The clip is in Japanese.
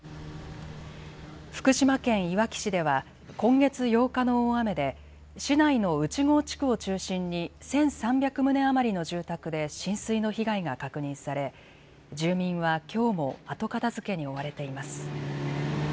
福島県いわき市では今月８日の大雨で市内の内郷地区を中心に１３００棟余りの住宅で浸水の被害が確認され住民はきょうも後片づけに追われています。